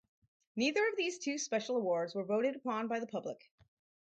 Neither of these two special awards were voted upon by the public.